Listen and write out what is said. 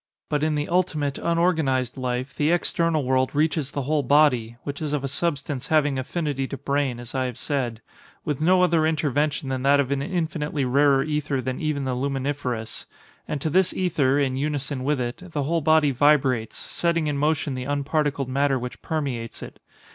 But in the ultimate, unorganized life, the external world reaches the whole body, (which is of a substance having affinity to brain, as I have said,) with no other intervention than that of an infinitely rarer ether than even the luminiferous; and to this ether—in unison with it—the whole body vibrates, setting in motion the unparticled matter which permeates it.